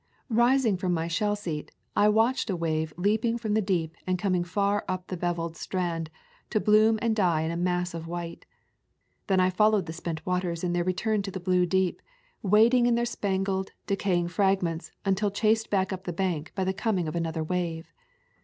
Rising from my shell seat, I watched a wave leaping from the deep and coming far up the beveled strand to bloom and die in a mass of white. Then I followed the spent waters in their return to the blue deep, wading in their spangled, decaying fragments until chased back up the bank by the coming of another wave.